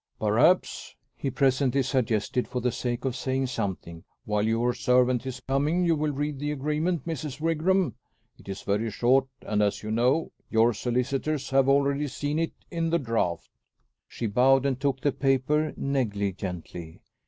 "Perhaps," he presently suggested, for the sake of saying something, "while your servant is coming, you will read the agreement, Mrs. Wigram. It is very short, and, as you know, your solicitors have already seen it in the draft." She bowed, and took the paper negligently.